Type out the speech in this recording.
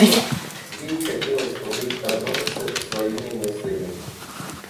Ей хотелось побыть одной с своими мыслями.